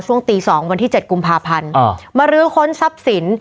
ช่วงตี๒วันที่๗กุมภาพันธ์มารื้อค้นทรัพย์สิน